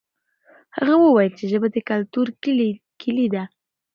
هغه وویل چې ژبه د کلتور کلي ده.